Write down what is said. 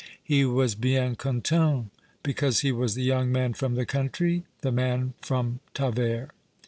He was " bien content " because he was " the young man from the country," the man from Tavers.